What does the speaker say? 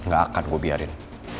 gak akan gue biarin